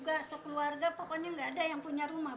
sekeluarga pokoknya gak ada yang punya rumah